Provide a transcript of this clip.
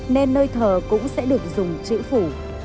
nên nơi thờ cũng sẽ được dùng chữ phủ